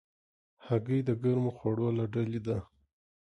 هګۍ د ګرمو خوړو له ډلې ده.